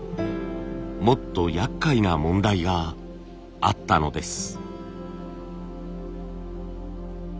もっとやっかいな問題があったのです。